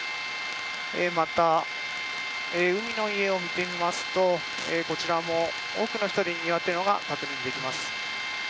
また、海の家を見てみますとこちらも多くの人でにぎわっているのが確認できます。